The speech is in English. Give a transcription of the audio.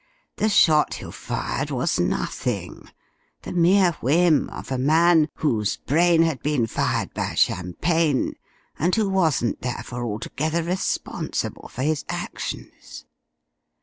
The shot you fired was nothing the mere whim of a man, whose brain had been fired by champagne and who wasn't therefore altogether responsible for his actions."